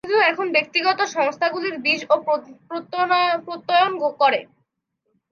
কিন্তু এখন ব্যক্তিগত সংস্থাগুলির বীজ ও প্রত্যয়ন করে।